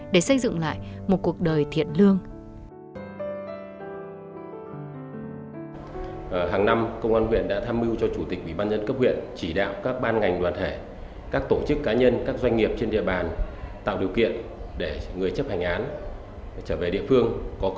để xây dựng lại một cuộc đời thiệt lương